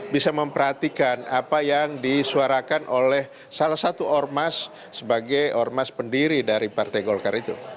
bisa memperhatikan apa yang disuarakan oleh salah satu ormas sebagai ormas pendiri dari partai golkar itu